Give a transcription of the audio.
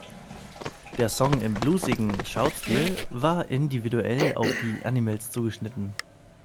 Der Song im bluesigen Shout-Stil war individuell auf die Animals zugeschnitten.